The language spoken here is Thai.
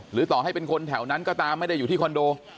ต่อให้เป็นคนแถวนั้นก็ตามไม่ได้อยู่ที่คอนโด